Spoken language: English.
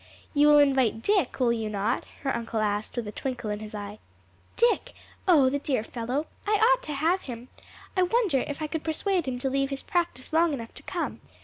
"You will invite Dick, will you not?" her uncle asked with a twinkle in his eye. "Dick! oh the dear fellow! I ought to have him. I wonder if I could persuade him to leave his practice long enough to come.